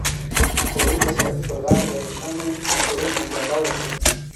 هغوی د سړک پر غاړه د روښانه سرود ننداره وکړه.